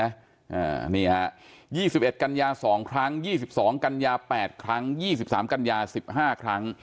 อะนี่ค่ะ๒๑กัญญา๒ครั้ง๒๒กัญญา๘ครั้ง๒๓กัญญา๑๕ครั้ง